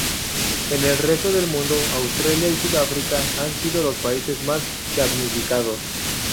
En el resto del mundo, Australia y Sudáfrica han sido los países más damnificados.